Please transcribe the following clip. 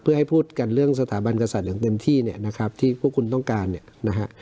เพื่อให้พูดกันเรื่องสถาบันกษัตริย์อย่างเต็มที่เนี่ยนะครับที่พวกคุณต้องการเนี่ยนะฮะ